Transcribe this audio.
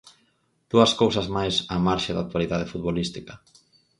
Dúas cousas máis á marxe da actualidade futbolística.